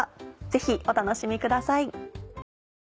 ぜひお楽しみください。